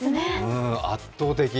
圧倒的。